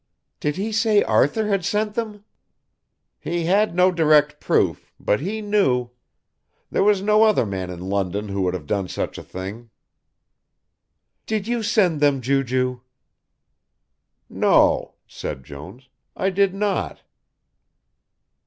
"Did he say Arthur had sent them?" "He had no direct proof but he knew. There was no other man in London would have done such a thing." "Did you send them, Ju ju?" "No," said Jones. "I did not."